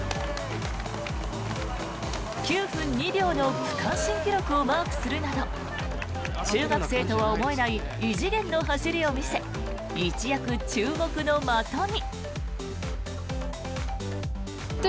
９分２秒の区間新記録をマークするなど中学生とは思えない異次元の走りを見せ一躍、注目の的に。